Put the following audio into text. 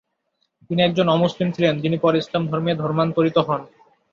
তিনি একজন অমুসলিম ছিলেন যিনি পরে ইসলাম ধর্মে ধর্মান্তরিত হন।